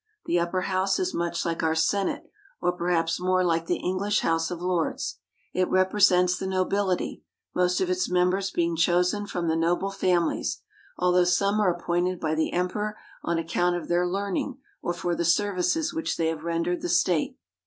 The Upper House is much like our Senate, or perhaps more like the English House of Lords. It represents the nobil HOW JAPAN IS GOVERNED 59 ity, most of its members being chosen from the noble families, although some are appointed by the Emperor on account of their learning or for the services which they have rendered the state.